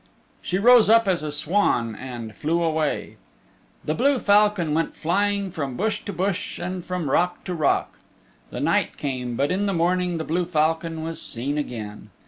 She rose up as a swan and flew away. The blue falcon went flying from bush to bush and from rock to rock. The night came, but in the morning the blue falcon was seen again.